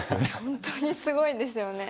本当にすごいですよね。